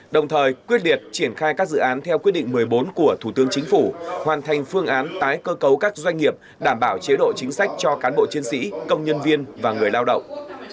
đồng thời quyết liệt triển khai các dự án theo quyết định một mươi bốn của thủ tướng chính phủ hoàn thành phương án tái cơ cấu các doanh nghiệp đảm bảo chế độ chính sách cho cán bộ chiến sĩ công nhân viên và người lao động